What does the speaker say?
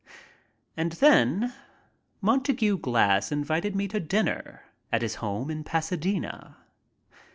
And then Montague Glass invited me to dinner at his home in Pasadena.